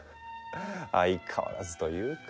相変わらずというか。